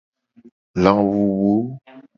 Lawuwu.